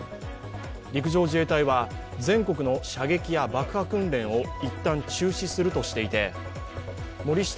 陸上自衛隊は、全国の射撃や爆破訓練をいったん中止するとしていて森下